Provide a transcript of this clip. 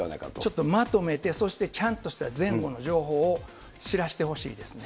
ちょっとまとめて、そしてちゃんとした前後の情報を知らしてほしいですね。